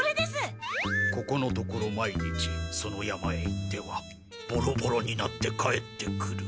ここのところ毎日その山へ行ってはボロボロになって帰ってくる。